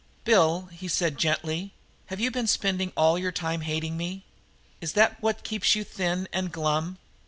"Bill," he said gently, "have you been spending all your time hating me? Is that what keeps you thin and glum?